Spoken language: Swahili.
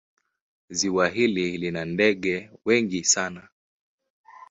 Ziwa hili lina ndege wengi sana.